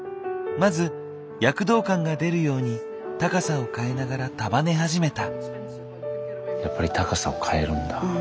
まず躍動感が出るように高さを変えながら束ね始めた。